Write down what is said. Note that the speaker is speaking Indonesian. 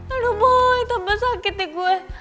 aduh boy tambah sakit ya